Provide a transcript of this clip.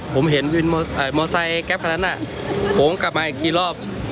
ผมเห็นวินโมไซโมไซแก๊ปแบบนั้นอ่ะผมกลับมาอีกกี่รอบ